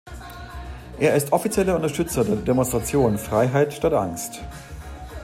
Er ist offizieller Unterstützer der Demonstration Freiheit statt Angst.